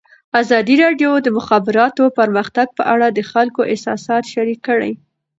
ازادي راډیو د د مخابراتو پرمختګ په اړه د خلکو احساسات شریک کړي.